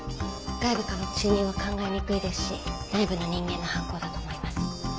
外部からの侵入は考えにくいですし内部の人間の犯行だと思います。